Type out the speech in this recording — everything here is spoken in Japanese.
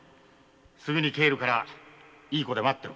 「すぐに帰るからいい子で待ってろ」